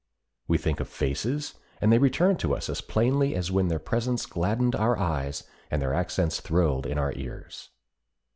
We think of faces, and they return to us as plainly as when their presence gladdened our eyes and their accents thrilled in our ears.